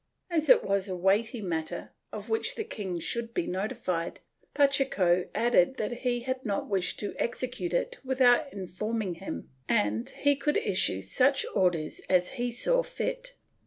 As it was a weighty matter, of which the king should be notified, Pacheco added that he had not wished to execute it without informing him and he could issue such orders as he saw fit.